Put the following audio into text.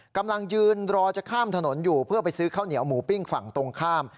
กำลังยืนรอจะข้ามถนนอยู่เพื่อไปซื้อข้าวเหนียวหมูปิ้งฝั่งตรงข้าม